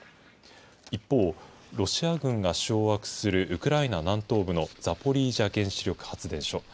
一方、ロシア軍が掌握するウクライナ南東部のザポリージャ原子力発電所。